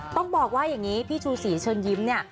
ต้องบอกว่าอย่างนี้พี่ชูศรีเชิญยิ้มเนี่ย